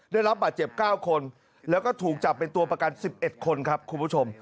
ได้รับบาดเจ็บ๙คนแล้วก็ถูกจับเป็นตัวประกัน๑๑คนครับคุณผู้ชม